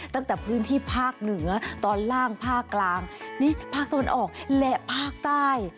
ตั้งแต่พื้นที่ภาคเหนือตอนล่างภาคกลางนี่ภาคตะวันออกและภาคใต้